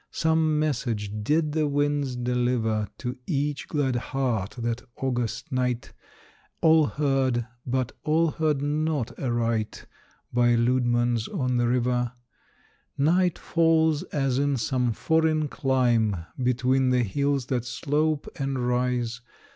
Some message did the winds deliver To each glad heart that August night, All heard, but all heard not aright; By Leudemann's on the River. Night falls as in some foreign clime, Between the hills that slope and rise.